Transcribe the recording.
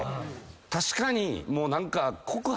確かにもう何か。